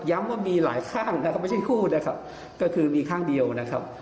ว่ามีหลายข้างนะครับไม่ใช่คู่นะครับก็คือมีข้างเดียวนะครับ